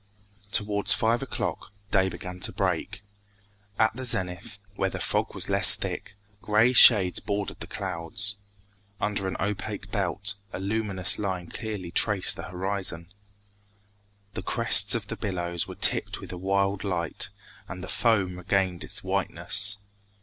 Towards five o'clock day began to break. At the zenith, where the fog was less thick, gray shades bordered the clouds; under an opaque belt, a luminous line clearly traced the horizon. The crests of the billows were tipped with a wild light, and the foam regained its whiteness.